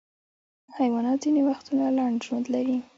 حیوانات ځینې وختونه لنډ ژوند لري.